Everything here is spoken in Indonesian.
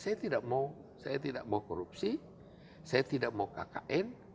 saya tidak mau saya tidak mau korupsi saya tidak mau kkn